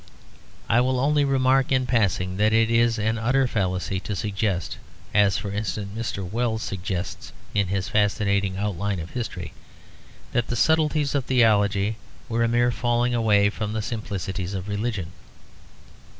I will only remark in passing that it is an utter fallacy to suggest, as for instance Mr. Wells suggests in his fascinating Outline of History, that the subtleties of theology were a mere falling away from the simplicities of religion.